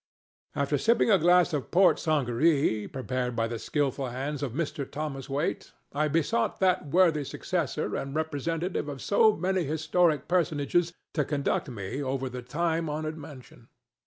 After sipping a glass of port sangaree prepared by the skilful hands of Mr. Thomas Waite, I besought that worthy successor and representative of so many historic personages to conduct me over their time honored mansion.